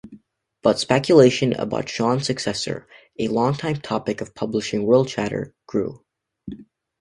But speculation about Shawn's successor, a longtime topic of publishing-world chatter, grew.